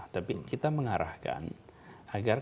tapi kita mengarahkan agar